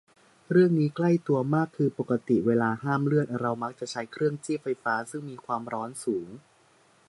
เรื่องนี้ใกล้ตัวมาก คือปกติเวลาห้ามเลือดเรามักจะใช้เครื่องจี้ไฟฟ้า ซึ่งมีความร้อนสูง